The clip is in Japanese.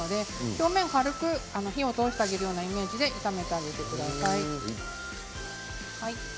表面を軽く、火を通してあげるイメージで炒めてください。